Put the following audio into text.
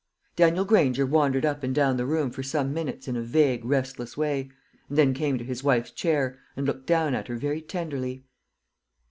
Daniel Granger wandered up and down the room for some minutes in a vague restless way, and then came to his wife's chair, and looked down at her very tenderly.